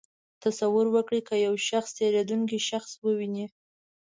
تصور وکړئ که یو شخص تېرېدونکی شخص وویني.